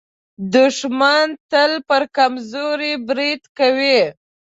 دښمن تل پر کمزوري برید کوي